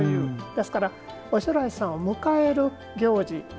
ですから、おしょらいさんを迎える行事。